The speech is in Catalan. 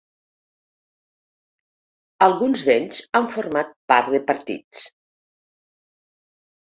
Alguns d’ells han format part de partits.